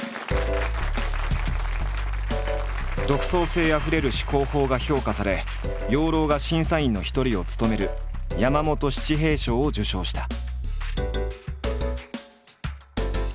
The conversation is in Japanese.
独創性あふれる思考法が評価され養老が審査員の一人を務める山本七平賞を受賞した。